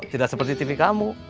tidak seperti tv kamu